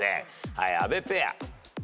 はい阿部ペア。